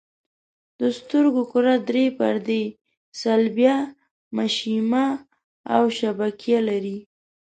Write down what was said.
د سترګو کره درې پردې صلبیه، مشیمیه او شبکیه لري.